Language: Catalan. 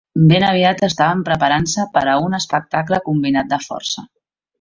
Ben aviat estaven preparant-se per a un espectacle combinat de força.